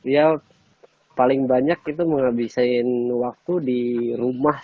ya paling banyak itu menghabiskan waktu di rumah ya